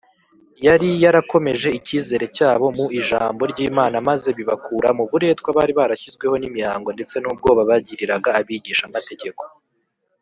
yari yarakomeje icyizere cyabo mu ijambo ry’imana, maze bibakura mu buretwa bari barashyizweho n’imihango ndetse n’ubwoba bagiriraga abigisha b’amategeko